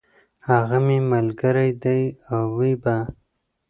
هغه مي ملګری دی او وي به !